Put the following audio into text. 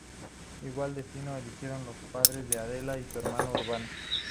Igual destino eligieron los padres de Adela y su hermano Urbano.